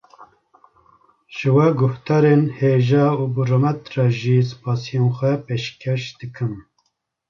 Ji we guhdarên hêja û bi rûmet re jî spasiyên xwe pêşkêş dikim